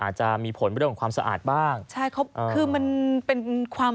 อาจจะมีผลเรื่องของความสะอาดบ้างใช่เขาคือมันเป็นความ